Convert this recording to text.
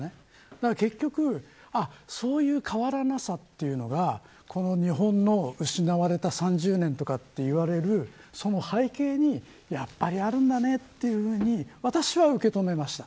だから結局そういう変わらなさというのがこの日本の失われた３０年とかといわれるその背景にやっぱりあるんだねというふうに私は受け止めました。